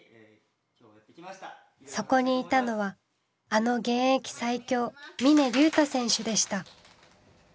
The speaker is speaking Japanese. そこにいたのはあの現役最強峰竜太選手でした。